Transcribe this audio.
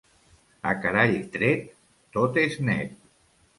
A carall tret, tot és net.